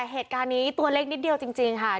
เหตุการณ์นี้ตัวเล็กนิดเดียวจริงค่ะ